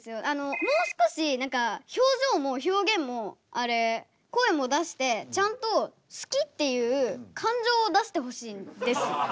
もう少し表情も表現も声も出してちゃんと「好き」っていう感情を出してほしいんです。